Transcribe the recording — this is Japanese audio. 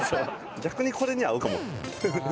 逆にこれに合うかも。